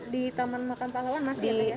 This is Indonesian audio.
di taman makam pahlawan masih